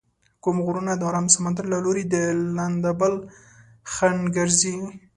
کوم غرونه د ارام سمندر له لوري د لندبل خنډ ګرځي؟